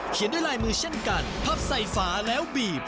ด้วยลายมือเช่นกันพับใส่ฝาแล้วบีบ